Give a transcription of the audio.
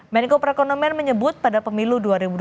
menko perekonomian menyebut pada pemilu dua ribu dua puluh